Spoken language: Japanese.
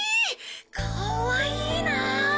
かわいいなあ！